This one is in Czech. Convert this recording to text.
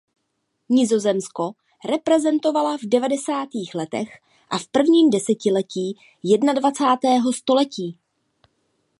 Nizozemsko reprezentovala v devadesátých letech a v prvním desetiletí jednadvacátého století.